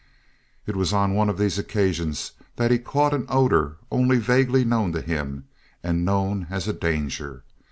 It was on one of these occasions that he caught an odor only vaguely known to him, and known as a danger.